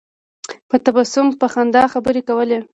په تبسم په خندا خبرې کولې.